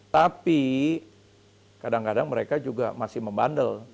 tapi kadang kadang mereka juga masih membandel